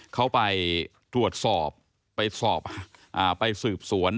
เขาไปตรวจสอบไปสืบสวน